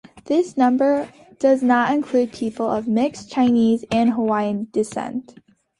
This number does not include people of mixed Chinese and Hawaiian descent.